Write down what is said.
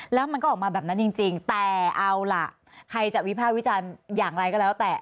แล้วมันก็ออกมาแบบนั้นจริงแต่เอาล่ะใครจะวิภาควิจารณ์อย่างไรก็แล้วแต่